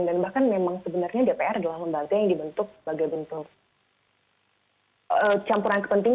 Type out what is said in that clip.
dan bahkan memang sebenarnya dpr adalah lembaga yang dibentuk sebagai bentuk campuran kepentingan